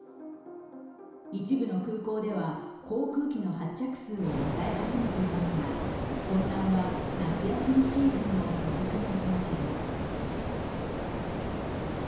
一部の空港では航空機の発着数を抑え始めていますが混乱は、夏休みシーズンも続く見通しです。